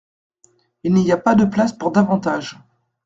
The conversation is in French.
Il n'y a pas de place pour davantage.